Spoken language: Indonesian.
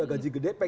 atau huruf d